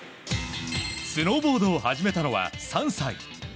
スノーボードを始めたのは３歳。